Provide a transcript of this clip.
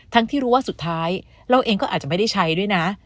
ที่รู้ว่าสุดท้ายเราเองก็อาจจะไม่ได้ใช้ด้วยนะ